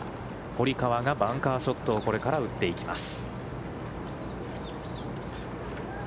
堀川がバンカーショットをこれから打っていきます。